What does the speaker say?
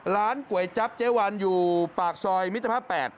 ร้านกว่ายจับเจวัณอยู่ปากซอยมิตรภาพ๘